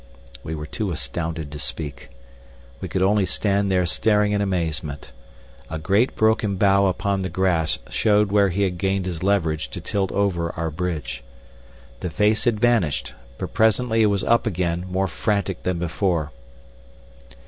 We were too astounded to speak. We could only stand there staring in amazement. A great broken bough upon the grass showed whence he had gained his leverage to tilt over our bridge. The face had vanished, but presently it was up again, more frantic than before.